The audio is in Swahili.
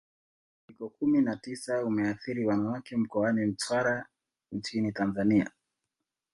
Uviko kumi na tisa umeathiri Wanawake mkoani Mtwara nchini Tanzania